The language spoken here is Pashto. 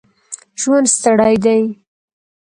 ژوند ستړی دی